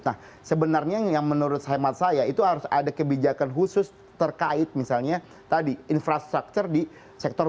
nah sebenarnya yang menurut hemat saya itu harus ada kebijakan khusus terkait misalnya tadi infrastruktur di sektor